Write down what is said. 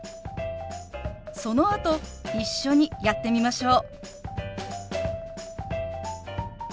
そのあと一緒にやってみましょう。